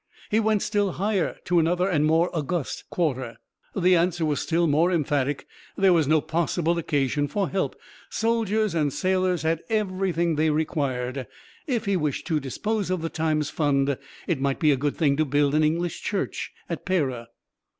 He went still higher, to "another and more august quarter"; the answer was still more emphatic: there was no possible occasion for help; soldiers and sailors had everything they required; if he wished to dispose of the Times fund, it might be a good thing to build an English church at Pera!